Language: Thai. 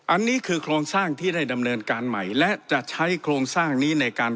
อันนี้คือโครงสร้างที่ได้ดำเนินการใหม่และจะใช้โครงสร้างนี้ในการ